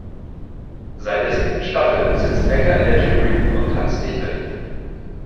Seit der siebten Staffel sitzt Ekker in der Jury und tanzt nicht mit.